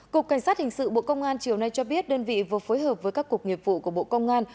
cục cảnh sát hình sự bộ công an chiều nay cho biết đơn vị vừa phối hợp với các cục nghiệp vụ của bộ công an